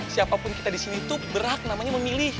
siapapun kita di sini itu berhak namanya memilih